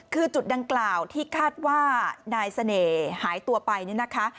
คือจุดดังกล่าวที่คาดว่านายเสน่ห์หายตัวไปเนี่ยนะคะ